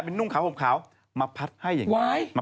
เป็นนุ่งขาวห่มขาว